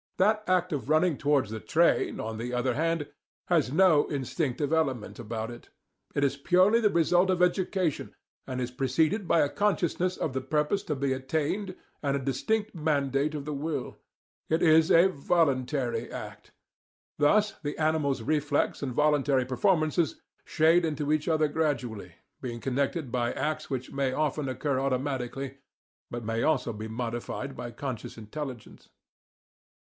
The act of running towards the train, on the other hand, has no instinctive element about it. It is purely the result of education, and is preceded by a consciousness of the purpose to be attained and a distinct mandate of the will. It is a 'voluntary act.' Thus the animal's reflex and voluntary performances shade into each other gradually, being connected by acts which may often occur automatically, but may also be modified by conscious intelligence.